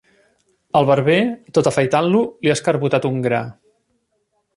El barber, tot afaitant-lo, li ha escarbotat un gra.